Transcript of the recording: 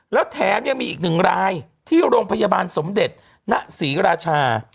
แล้วแถมยังมีอีกหนึ่งรายที่โรงพยาบาลสมเด็จณศรีราชา